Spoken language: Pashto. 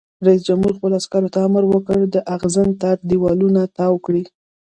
رئیس جمهور خپلو عسکرو ته امر وکړ؛ د اغزن تار دیوالونه تاو کړئ!